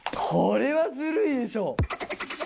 これはずるいでしょ。